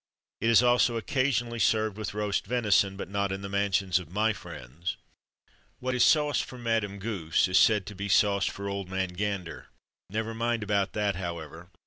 It is also occasionally served with roast venison; but not in the mansions of my friends. What is sauce for Madame Goose is said to be sauce for Old Man Gander. Never mind about that, however.